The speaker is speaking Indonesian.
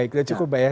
baik sudah cukup ya